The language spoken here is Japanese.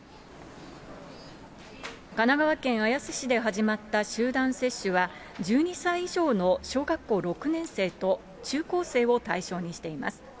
神奈川県綾瀬市で始まった集団接種は、１２歳以上の小学校６年生と、中高生を対象にしています。